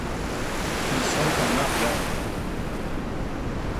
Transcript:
Ils sont en argent.